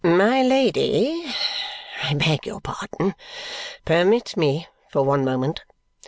"My Lady, I beg your pardon. Permit me, for one moment!"